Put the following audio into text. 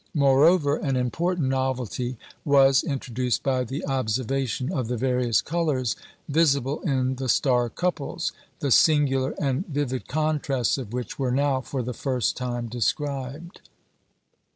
Moreover, an important novelty was introduced by the observation of the various colours visible in the star couples, the singular and vivid contrasts of which were now for the first time described.